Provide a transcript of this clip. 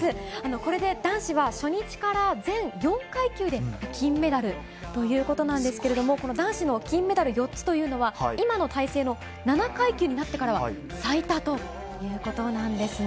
これで男子は、初日から全４階級で金メダルということなんですけれども、この男子の金メダル４つというのは、今の体制の７階級になってからは最多ということなんですね。